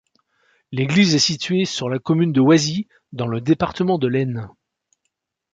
L'église est située sur la commune de Oisy, dans le département de l'Aisne.